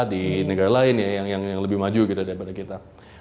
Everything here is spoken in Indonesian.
di negara lain yang lebih maju daripada kita